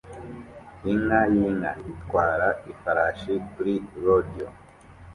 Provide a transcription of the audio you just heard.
Inka yinka itwara ifarashi kuri rodeo